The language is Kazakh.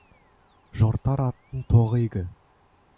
Жортар аттың тоғы игі.